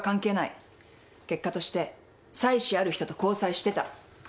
結果として妻子ある人と交際してた。